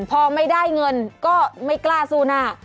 พอไม่ได้เงินก็ไม่กล้าสู้หน้า